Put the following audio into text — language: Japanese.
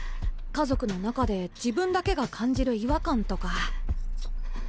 家族の中で自分だけが感じる違和感とか。